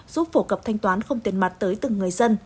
giúp phổ cập thanh toán không tiền mặt tới từng người dân